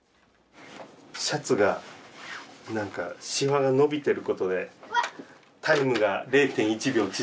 シャツが何かシワが伸びてることでタイムが０．１秒縮めば。